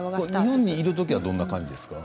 日本にいる時はどういう感じですか。